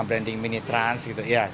branding mini trans gitu ya